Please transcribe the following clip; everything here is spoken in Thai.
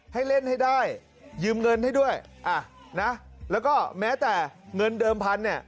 ให้เล่นให้ได้ยืมเงินให้ด้วยอ่ะนะแล้วก็แม้แต่เงินเดิมพันธุ์เนี่ย